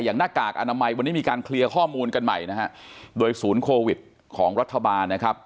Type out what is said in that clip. หน้ากากอนามัยวันนี้มีการเคลียร์ข้อมูลกันใหม่นะฮะโดยศูนย์โควิดของรัฐบาลนะครับ